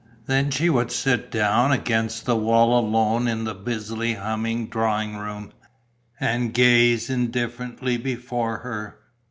Then she would sit down, against the wall alone in the busily humming drawing room, and gaze indifferently before her.